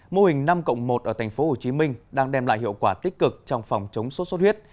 mô hình năm cộng một ở tp hcm đang đem lại hiệu quả tích cực trong phòng chống sốt xuất huyết